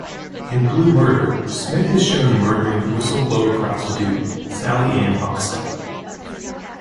In "Blue Murder", Smith is shown murdering whistle-blower prostitute Sallie-Anne Huckstepp.